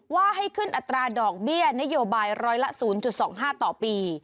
ว่าให้ขึ้นอัตราดอกเบี้ยนโยบายร้อยละ๐๒๕ต่อปี